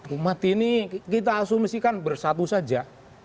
umat ini kita asumsikan bersatu saja